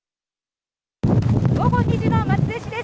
午後２時の松江市です。